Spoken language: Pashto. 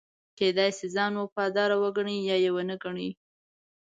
کېدای شي ځان وفادار وګڼي یا یې ونه ګڼي.